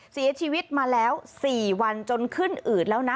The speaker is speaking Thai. เสียชีวิตมาแล้ว๔วันจนขึ้นอืดแล้วนะ